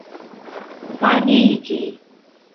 fariĝi